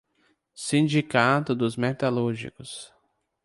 Sindicato dos metalúrgicos